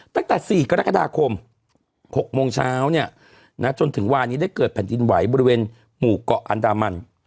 ตั้งแต่๔กรกฎาคม๖โมงเช้าเนี่ยนะจนถึงวานี้ได้เกิดแผ่นดินไหวบริเวณหมู่เกาะอันดามัน